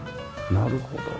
なるほど。